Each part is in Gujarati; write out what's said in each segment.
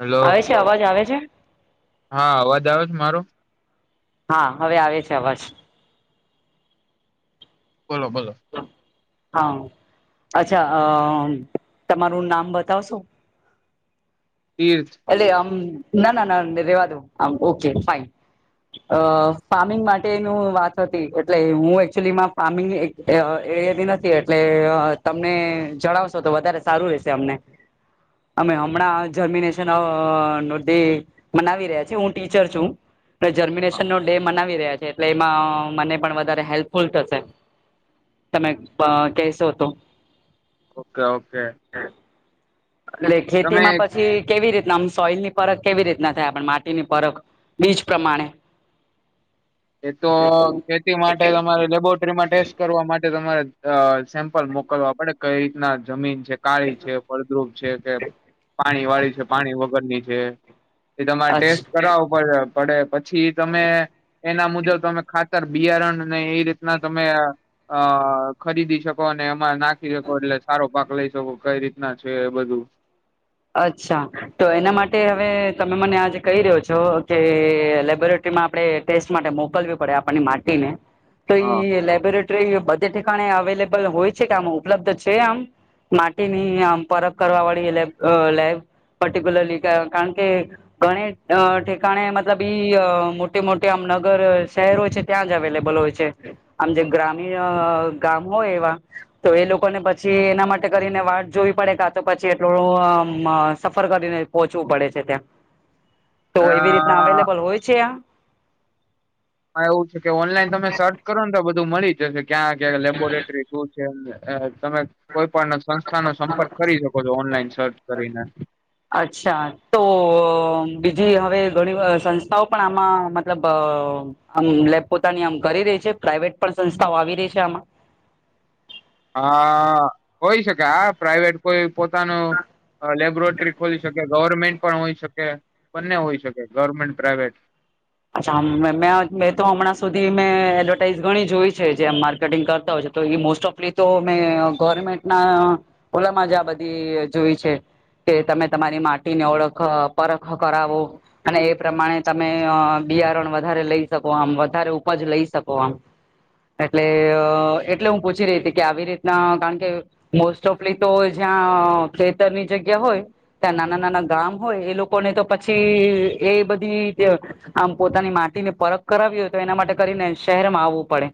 હેલો આવે છે અવાજ આવે છે. હા અવાજ આવે છે મારો? હા હવે આવે છે અવાજ. બોલો બોલો. હા અચ્છા અ તમારું નામ બતાવશો. તીર્થ એટલે આમ ના ના ના રેવા દો આમ ઓકે ફાઈન. અ ફાર્મિંગ માટેનું વાત હતી એટલે હું એકચુલીમાં ફાર્મિંગ એક એ એવી નથી એટલે તમને જણાવશો તો વધારે સારું રહેશે અમને. અમે હમણાં જમીને શ [unintelligible] મનાવી રહ્યા છે હું ટીચર છું. અને જર્મિનેશન નો ડે મનાવી રહ્યા છે એટલે એમાં મને પણ વધારે હેલ્પફુલ થશે. તમે અ કહેશો તો. ઓ કે ઓ કે એટલે ખેતીમાં પછ છી કેવી રીતના આમ સોઈલની પરખ કેવી રીતના થાય પણ માટીની પરખ બીજ પ્રમાણે એતો ખેતી માટે તમારે લેબોરેટરીમાં ટેસ્ટ કરવા માટે તમારે અ સેમ્પલ મોકલવા પડે કઈ રીતના જમીન છે કાળી છે ફળદ્રુપ છે કે પાણી વાળી છે પાણી વગરની છે એ તમારે અચ્છ ટેસ્ટ કરાવો પડે પડે પછી તમે એના મુજબ તમે ખા તર બિયારણને એ રીતના તમે અ ખરીદી શક કોને એમાં નાખી શકો એટલે સારો પાક લઈ શકો કઈ રીતના છે એ બધું અચ્છા તો એના માટે હવે તમે મને આજે કહી રહ્યો છો કે લેબોરેટ ટરીમાં આપણે ટેસ્ટ માટે મોકલવી પડે આપની માટીને તો હા ઈ લેબોરેટ ટરી બધે ઠેકાણે અવેલેબલ હોય છે કે આમ ઉપલબ્ધ છે આમ માટીની આમ પરખ કરવા વાળી લે અ લેબ પર્ટિક્યુલરલી કાણ કે ઘણી અ ઠેકાણે મતલબ ઈ અ મોટે મોટે આમ નગર શહેરો છે ત્યાં જ અવેલેબલ હોય છે આમ જે ગ્રામીણ ગામ હોય એવા તો એ લોકોને પછી એના માટે કરીને વાટ જોવી પડે કાં તો પછી એટલો અ મ સફર કરીને પહોચવું પડે છે ત્યાં તો એવી રીત તના અ અવેલેબલ હોય છે આ એમાં એવું છે કે ઓનલાઈન તમે સર્ચ કરો ને તો બધું મળી જશે ક્યાં ક્યાં લેબોરેટરી શું [inaudible] તમે કોઈ પણ સંસ્થાનો સંપર્ક કરી શકો છો ઓનલાઈન સર્ચ કરીને અચ્છા તો બીજી હવે ઘણી વ સંસ્થાઓ પણ આમાં મતલબ અ આમ લેબ પોતાની આમ કરી રહી છે પ્રાઇવેટ પણ સંસ્થાઓ આવી રહી છે આમાં હા હોય શકે હા પ્રાઈવેટ કોઈ પોતાનો લેબ્રોટરી ખોલી શકે ગવર્મેન્ટ પણ હોઈ શકે બંને હોઈ શકે ગવર્મેન્ટ પ્રાાઈવેટ અચ્છા મે મે તો અમણાં સુધી મેં એડવર્ટાઈઝ ઘણી જોઈ છે જેમ માર્કેટિંગ કરતા હોય છે તો એ મોસ્ટ ઓફ એતો મેં ગવર્મેન્ટના ઓલામાં જ આ બધી જોઈ છે તે તમે તમારી માટીને ઓળખ પરખ કરાવો અને એ પ્રમાણે તમે અ બિયારણ વધારે લઈ શકો આમ વધારે ઉપજ લઈ શકો આમ એટલે અ એટલે હું પૂછી રઈ તી કે આવી રીતના કાણ કે મોસ્ટ ઓફલી તો જ્યાં ખેતરની જગ્યા હોય ત્યાં નાના નાના ગામ હોય એ લોકો ને તો પછી એ બધી [unintelligible] આમ પોતાની માટીને પરખ કરાવી હોય તો એના માટે કરીને શહેરમાં આવવું પડે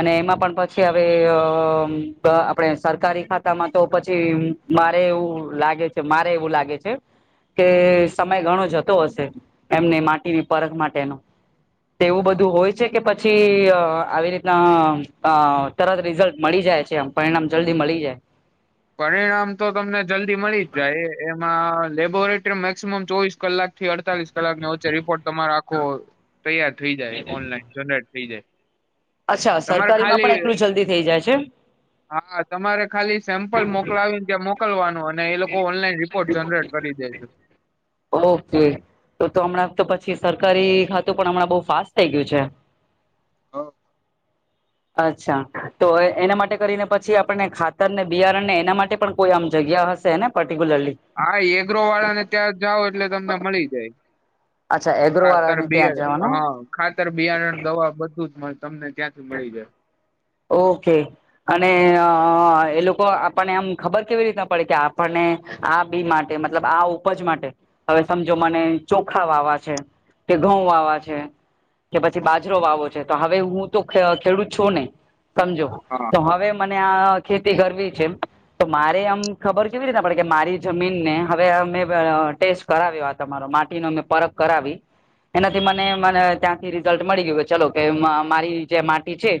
અને એમાં પણ પછી હવે અ આપણેે સરકારી ખાતામાં તો પછી બારે એવું લાગે છે મારે એવું લાગે છે કે સમય ઘણો જતો હશે એમને માટીની પરખ માટેનો તેવું બધું હોય છે કે પછી અ આવી રીતના અ અ તરત રીઝલ્ટ મળી જાય છે આમ પરિણામ જલ્દી મળી જાય પરિણામ તો તમને જલ્દી મળી જ જાય એમાં લેબોરેટરી મેક્સિમમ ચોવીસ કલાક થી અડતાલીસ કલાકને વચ્ચે રિપોર્ટ તમારો આખો તૈયાર થઈ જાય ઓનલાઈન જનરેટ થઈ જાય અચ્છા તમારે સરકારીમાં ખાલી પણ એટલું જલ્દી થઈ જાય છે હા હા તમારે ખાલી પલ મોકલાવીને ત્યાં મોકલવાનું અને એ લોકો ઓનલાઈન રિપોર્ટ જનરેટ કરી દે છે ઓ કે તો તો અમણાં તો પછી સરકારી ખાતું પણ અમણાં બઉ ફાસ્ટ થઈ ગયું છે હા અચ્છા તો એના માટે કરીને પછી આપણને ખાતરને બિયારણને એના માટે પણ કોઈ આમ જગ્યા હશ. તો એને પર્ટિક્યુલરલી હા એગ્રો વાળા ને ત્યાં જઓ એટલે તમને મળી જાય. અચ્છા એગ્રો ખાતર વાળાને બે ત્યાં હ જવાનું ખાતર, બિયારણ, દવા બધું જ તમને ત્યાંથી મળી જાય. ઓકે અને અ એ લોકો આપણને આમ ખબર કેવી રીતના પડે કે આપણને આ બી માટે મતલબ આ ઉપજ માટે હવે સમજો મને ચોખા વાવા છે. તે ઘઉં વાવા છે કે પછી બાજરો વાવો છે તો હવે હું તું ખે ખેડૂત છો નહી સમજો હા તો હવે મને આ ખેતી કરવી છે. તો મારે આમ ખબર કેવી રીતના પડે કે મારી જમીન ને હવે અમે ટેસ્ટ કરાવ્યો આ તમારો માટી નો અમેં પરખ કરાવી એનાથી મને મને ત્યાંથી રિઝલ્ટ મળી ગયું ચલો કે મા મારી જે માટી છે.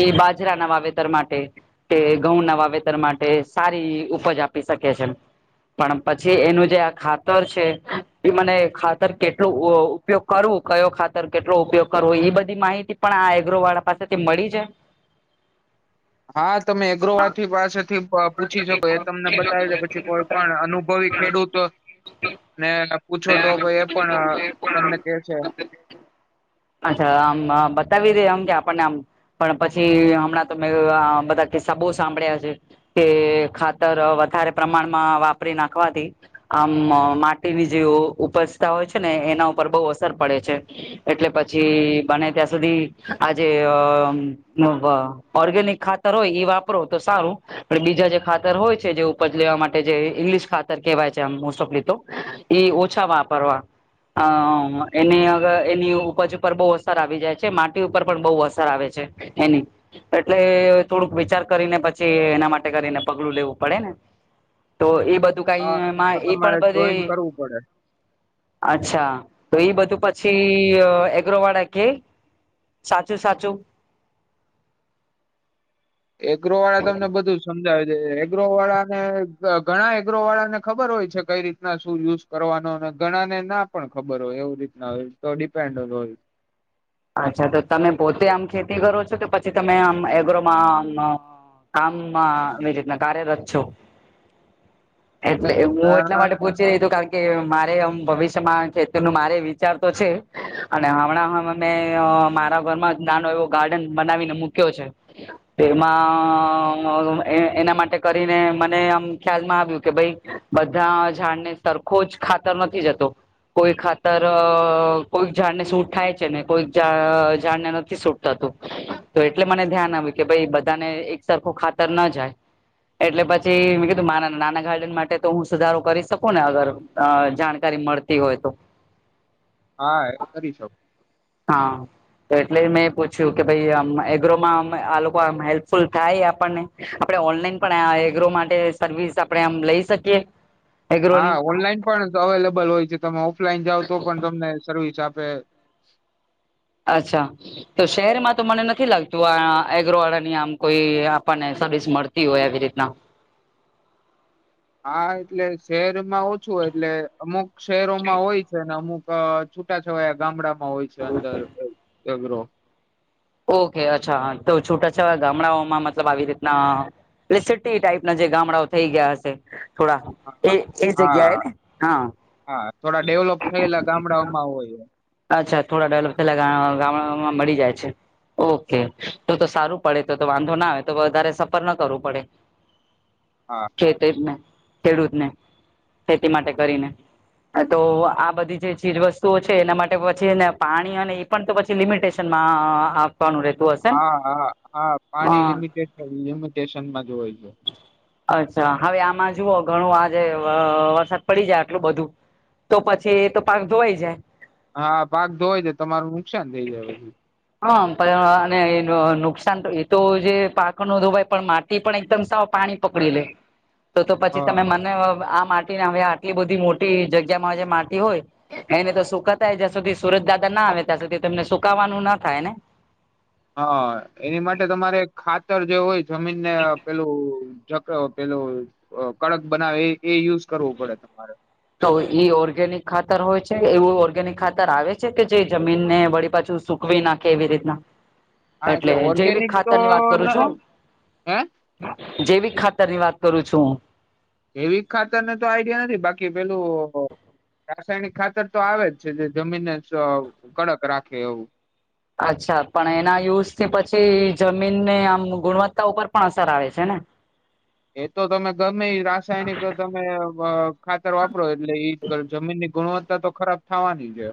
એ બાજરાના વાવેતર માટે. તે ઘઉં ના વાવેતર માટે સારી ઉપજ આપી શકે છે. પણ પછી એનું જે આ ખાતર છે એ મને ખાતર કેટલું [unintelligible] ઉપયોગ કરવું કયો ખાતર કેટલો ઉપયોગ કરવો એ બધી માહિતી પણ આ એગ્રો વાળા પાસેથી મળી જાય? હા તમે એગ્રોવાથી પાસેથી પૂછી શકો એ તમને બતાવી દે પછી કોઈ પણ અનુભવી ખેડૂત ને પૂછો તો એ પણ તમને કે છે અચ્છા આમ બતાવી દે આમ કે આપણને આમ પણ પછી હમણાં તો મે આ બધા કે સબો સાંભળ્યા છે કે ખાતર વધારે પ્રમાણમાં વાપરી નાખવાથી આમ માટીની જે ઉપજતા હોય છે ને એના ઉપર બહુ અસર પડે છે. એટલે પછી બને ત્યાં સુધી આજે [unintelligible] ઓર્ગેનિક ખાતર હોય એ વાપરો તો સારું. પણ બીજા જે ખાતર હોય છે જે ઉપજ લેવા માટે જે ઈંગ્લશ ખાતર કેહેવાય છે આમ મોસ્ટ ઓફલી તો એ ઓછા વાપરવા. હ એની અર એની ઉપજ ઉપર બહુ અસર આવી જાય છે માટી ઉપર પણ બહુ અસર આવે છે. એની એટલે થોડુંક વિચાર કરીને પછી એના માટે કરીને પગલું લેવું પડે ને તો એ બધ દુ હા કઈમાં તો એ પણ તમારે બધે જોઈન કરવું પડે. અચ્છા તો એ બધું પછી એગ્રોવાળા કે સાચે સાચું એગ્રો વાળા તમને બધું જ સમજાવે છે એગ્રો વાળા ને ઘણા એગ્રો વાળા ને ખબર હોય છે કઈ રીતના શું યુઝ કરવાનો અને ઘણા ને ના પણ ખબર હોય એવું રીતના હોય તો ડિપેન્ડન્ટ હોય. અચ્છા તો તમે પોતે આમ ખેતી કરો છો કે તો પછી તમે આમ એગ્રોમાં આમ અ કામમાં એ રીતના કાર્યરત છો. [unintelligible] એટલે હું એટલા હા માટે પૂછ કારણ કે મારે આમ ભવિષ્યમાં ખેતર નું મારે વિચાર તો છે અને હમણાં મેં અ મારા ઘરમાં જ નાનો એવો ગાર્ડન બનાવીને મૂક્યો છે. એમાં [unintelligible] એના માટે કરીને મને આમ ખ્યાલમાં આવ્યું કે ભાઈ બધા ઝાડને સરખો જ ખાતર નથી જતો. કોઈ ખાતર અહ કોઈ ઝાડને સૂટ થાય છ છે ને કોઈક જ ઝાડ-ઝાડને નથી સૂટ થતું, તો એટલે મને ધ્યાન આવે કે ભઈ બધાને એક સરખો ખાતર ન જાય. એટલે પછી મે કીધું મારા નાના ગાર્ડન માટે તો હું સુધારો કરી શકું ને, અગર અહ જાણકારી મળ તી હોય તો. હા એ કરી શકો. હા. તો એટલે મેં પૂછ્યું કે ભાઈ આમ એગ્રોમાં આમ આ લોકો આમ હેલ્પફુલ થાય આપણને? આપણે ઓનલાઈન પણ આ એગ્રો માટે સર્વિસ આપણે આમ લઈ શકીએ? હા એગ્રોની ઓનલાઈન પણ અવેલેબલ હોય છે. તમે ઓફલાઈન જાઓ તો પણ તમને સર્વિસ આપે. અચ્છા. તો શહેરમાં તો મને નથી લાગતું આ એગ્રોવાળાની આમ કોઈ આપણને સર્વિસ મળત તી હોય એવી રીતના. હા, એટલે શહેરમાં ઓછું હોય એટલે અમુક શહેરોમાં હોય છે ને અમુક અહ છૂટા-છવાયા ગામડામાં હોય છે અંદર એ એગ્રો. ઓકે અચ્છા હા. તો છૂટાછવાયા ગામડાઓમાં મતલબ આવી રીતના એટલે સિટી ટાઈપના જે ગામડાઓ થઈ ગયા હશે થોડા, હા એ-એ જગ્યાએ હા ને? હા. હા થોડા ડેવલોપ થયેલા ગામડાઓમાં હોય એમ. અચ્છા થોડા ડેવલપ થયેલા [unintelligible] ગામડાઓમાં મળી જાય છે. ઓકે. તો-તો સારું પડે, તો-તો વાંધો ના આવે, તો વધારે સફર ના કરવું પડે. હા. [unintelligible] ખેડૂતને. ખેતી માટે કરીને. હા તો આ બધી જે ચીજવસ્તુઓ છે એના માટ એ પછી એને પાણી અને ઈ પણ તો પછી લિમિટેશનમાં આપ વાનું રહેતું હશ હા, હા, હા. પાણી લિમિટેશન-લિમિટેશનમાં જ હોય છે. અચ્છા. હવે આમાં જુઓ ઘણું આજે વરસાદ પડી જાય આટલું બધું. તો પછી એ તો પાક ધોવાઈ જાય હા પાક ધોવાય જાય. તમારું નુકસાન થઈ જાય પછી. હમ્મ. પણ અને ન નુકસાન તો એ તો જે પાકો નો ધોવાઈ પણ માટી પણ એકદમ સાવ પાણી પકડી લે. તો-તો પછી તમે હા મને અહ આ માટ ટે હવે આટલી બધી મોટી જગ્યા માં જે માટી હોય એને તો સુકાતાઈ જ્યાં સુધી સુરજ દાદા ના આવે ત્યાં સુધી તો એમને સુકાવવાનું ન થાય ને? હા. એની માટે તમારે ખાતર જે હોય જમીનને પેલું જક પેલું અહ કડક બનાવે એ-એ યુઝ કરવું પડે તમારે. તો ઈ ઓર્ગેનિક ખાતર હોય છે? એવું ઓર્ગેનિક ખાતર આવે છે કે જે જમીનને વળી પાછું સુકવી નાખે એવી રીતના? હા એટલે જૈવિક ઓર્ગેનિક તો ખાતર ની વાત ન, કરું છું હે? જૈવિક ખાતર ની વાત કરું છું હું. જૈવિક ખાતરને તો આઈડિયા નથી બાકી પેલું રાસાયણિક ખાતર તો આવે જ છે. જે જમીનને સ કડક રાખે એવું. અચ્છા. પણ એના યુઝ થી પછી જમીનને આમ ગુણવત્તા ઉપર પણ અસર આવે છે ને? એ તો તમે ગમેઈ રાસાયણિક જ તમે ખાતર વાપરો, એટલે ઈ જમીન ની ગુણવત્તા તો ખરાબ થાવાની છે.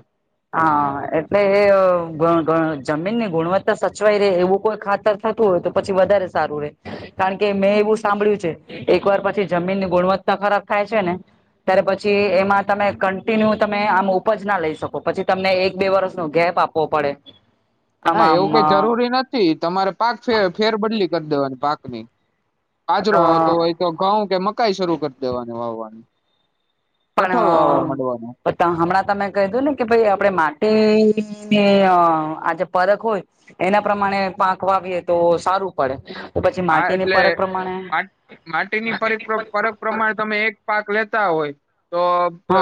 હા. એટલે એ [unintelligible] જમીન ની ગુણવત્તા સચવાઈ રહે એવું કોઈ ખાતર થતું હોય તો પછી વધારે સારું રહેે કારણ કે મેં એવું સાંભળ્યું છે એક વાર પછી જમીન ની ગુણવત્તા ખરાબ થાય છે ને ત્યારે પછી એમાં તમે કન્ટિન્યુ તમે આમ ઉપજ ના લઈ શકો. પછી તમને એક બે વર્ષ નો ગેપ આપવો પડે. ના, આમાં એવું કઈ આમ જરૂરી નથી તમારે પાક છે ફેરબદલી કરી દેવાની પાક ની. બાજરો વાવતો અ હોય તો ઘઉં કે મકાઈ શરૂ કરી દેવાની વાવવાનું. પણણ હમણાં તમે કહીધો ને કે ભાઈ આપણે માટી ને આંઆંઆં આજે પરખ હોય એના પ્રમાણે પાંક વાવીએ તો સારું પડે. તો પછી હા માટીની એટલે પરખ પ્રમાણે માટીની [unintelligible] પરક પ્રમાણે તમે એક પાક લેતા હોય તો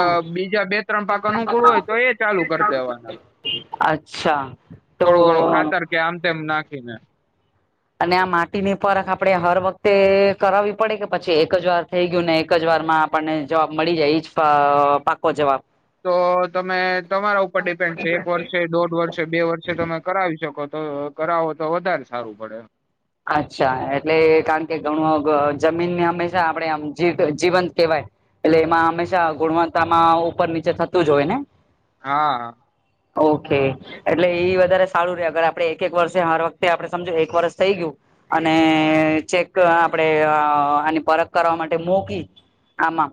અ બીજા બે ત્રણ પાક અનુકૂળ હોય તો એ ચાલુ કરી દેવાના. અચ્છા તો થોડું ઘણું ખાતર કે આમ તેમ નાખીને અને આ માટી ની પરખ આપડે હર વખતે કરાવવી પડે કે પછી એક જ વાર થઈ ગયું ને એક જ વાર માં આપણને જવાબ મળી જાય એજ પાઆઆ પાકો જવાબ. તો તમે તમારા ઉપર ડિપેન્ડ છે એક વર્ષે, દોઢ વર્ષે બે વર્ષે તમે કરાવી શકો તોઅઅઅ કરાવો તો વધારે સારું પડે. અચ્છા એટલે કારણ કે ઘણું જમીનને હંમેશા આપણેે આમ જી જીવંત કેહેવાય. એટલે એમાં હંમેશા ગુણવત્તામાં ઉપર નીચે થતું જ હોય ને? હાઅઅઅ. ઓ કે. એટલે ઈ વધારે સારું રહેે અગર આપડે એક એક વર્ષે હર વખતે આપણે સમજો એક વર્ષ થઇ ગયું. અનેએએ ચેક આપણેે અ આની પરખ કરવા માટે મૂકી આમાં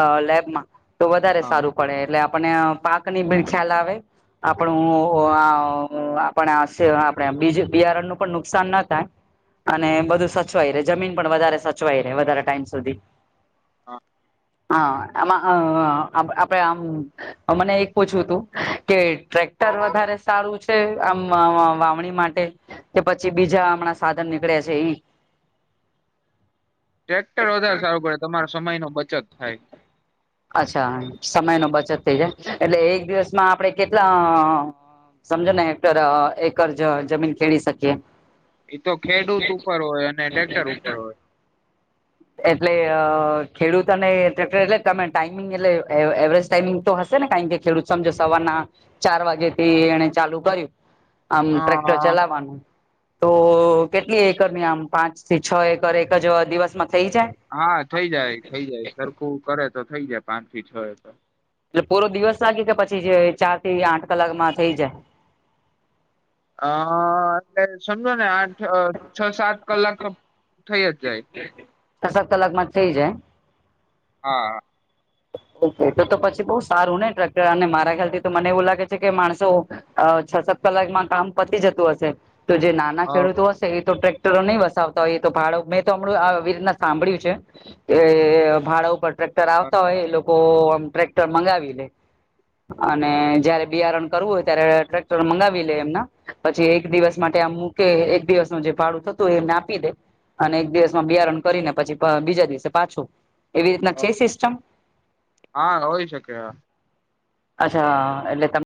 અઅઅ લેબમાં તો વધારે હા સારું. પડે એટલે આપને અઅ પાક ની ભી ખ્યાલ આવે. આપણુ આ આપ આપને બીજ બિયારણ નું પણ નુકસાન ના થાય. અને બધું સચવાય રહેે જમીન પણ વધારે સચવાય રહેે વધારે ટાઈમ સુધી. હા. હા આમાં અઅઅ આપડે આમ, મને એક પૂછવું તું કે ટ્રેક્ટર વધારે સારું છે આમ વાવણી માટે,? કે પછી બીજા હમણાં સાધન નીકળ્યા છે એ? ટ્રેક્ટર વધારે સારું પડે તમારો સમય નો બચત થાય. અચ્છા સમય નો બચત થઈ જાય એટલે એક દિવસમાં આપણે કેટલા? અઅઅઅ સમજો ને હેક્ટર અઅઅ એકર જ જમીન ખેડી શકીએ. એ તો ખેડૂત ઉપર હોય અને ટ્રેક્ટર ઉપર હોય. એટલે અઅઅ ખેડૂત અને ટ્રેક્ટર એટલે. તમે ટાઈમિંગ એટલે એવરેજ ટાઈમિંગ તો હશે ને કાય કે ખેડૂત સમજો સવારના ચાર વાગે થી એણે ચાલુ કર્યું આમ અ ટ્રેક્ટર ચલાવાનું. તો કેટલી એકર ની આમ પાંચ થી છ એકર એક જ દિવસમાં થઈ જાય? હા થઈ જાય થઈ જાય સરખું કરે તો થઈ જાય પાંચ થી છ એકર. એટલે પૂરો દિવસ લાગે કે પછી જે ચાર થી આઠ કલાકમાં થઈ જાય? અઅઅઅ એટલે સમજો ને આ અઅઅ છ સાત કલાક તો થઇ જ જાય. ક કલાકમાં જ થઇ જાય. હા. ઓકે તો તો પછી બહુ સારું ને ટેક્ટર અને મારા ખ્યાલથી તો મને એવું લાગે છે કે માણસો અ છ સાત કલાકમાં કામ પતી જતું હશે તો જે નાના હા ખેડૂતો હશે એ તો ટેક ટરો નહી વસાવતા હોય ઈ તો ભાડો મેં તો હમણું આ રીતના સાંભળ્યું છે કે ભાડા ઉપર ટ્રેક્ટર હા આવતા હોય એ લોકો આમ ટ્રેક્ટર મંગાવી લે અને જયારે બિયારણ કરવું હોય ત્યારે ટ્રેક્ટર મગાવી લે એમના, પછી એક દિવસ માટે અમૂકે એક દિવસનું જે ભાડું થતું હોય એ એમને આપી દે. અને એક દિવસમાં બિયારણ કરીને પછી પ બીજા દિવસે પાછું એવી રીતના છે હા, સિસ્ટમ. હા હોય શકય. અચ્છા એટલે તમ,